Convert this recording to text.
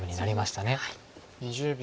２０秒。